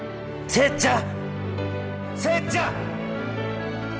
せっちゃん！